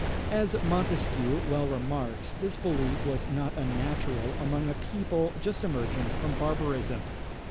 As Montesquieu well remarks, this belief was not unnatural among a people just emerging from barbarism.